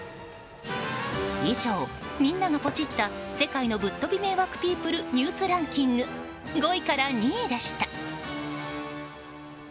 以上、みんながポチった世界のぶっとび迷惑ピープルニュースランキング５位から２位でした。